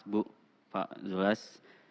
bu pak jules